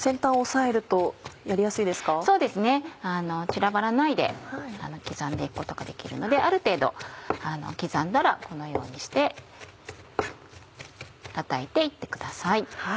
そうですね散らばらないで刻んで行くことができるのである程度刻んだらこのようにしてたたいて行ってください。